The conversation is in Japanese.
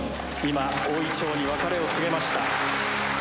今大銀杏に別れを告げました。